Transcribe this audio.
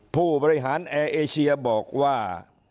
ผู้บริหารแอร์เอเชียบอกว่า